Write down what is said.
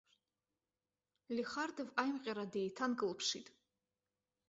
Лихардов аимҟьара деиҭанкылԥшит.